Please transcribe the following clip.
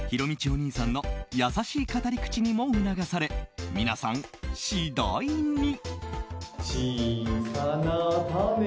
お兄さんの優しい語り口にも促され皆さん、次第に。